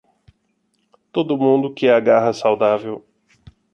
Todo mundo que agarra saudável.